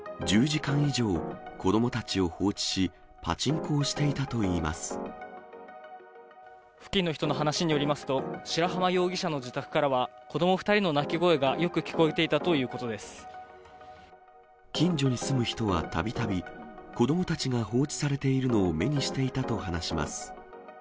１０時間以上、子どもたちを放置し、付近の人の話によりますと、白濱容疑者の自宅からは、子ども２人の泣き声がよく聞こえていた近所に住む人はたびたび、子どもたちが放置されているのを目にしていたと話します。